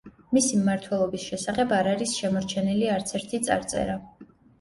მისი მმართველობის შესახებ არ არის შემორჩენილი არცერთი წარწერა.